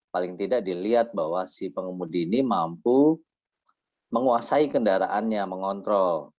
paling tidak dilihat bahwa si pengemudi ini mampu menguasai kendaraannya mengontrol